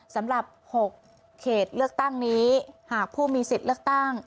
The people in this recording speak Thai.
สำหรับ๖เขตเลือกตั้งนี้หากผู้มีสิทธิ์เลือกตั้ง